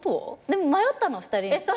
でも迷ったの２人。